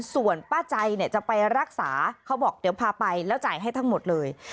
ส่วนป้าใจเนี่ยจะไปรักษาเขาบอกเดี๋ยวพาไปแล้วจ่ายให้ทั้งหมดเลย